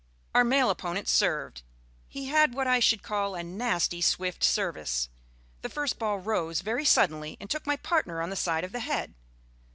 Our male opponent served. He had what I should call a nasty swift service. The first ball rose very suddenly and took my partner on the side of the head.